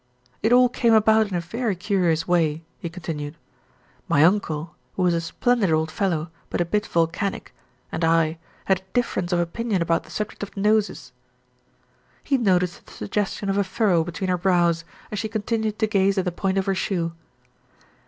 "It all came about in a very curious way," he con tinued. "My uncle, who is a splendid old fellow but a bit volcanic, and I had a difference of opinion upon the subject of noses." He noticed the suggestion of a furrow between her brows, as she continued to gaze at the point of her shoe.